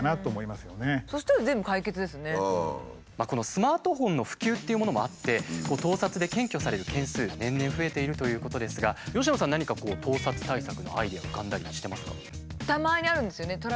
スマートフォンの普及っていうものもあって盗撮で検挙される件数年々増えているということですが佳乃さん何か盗撮対策のアイデア浮かんだりしてますか？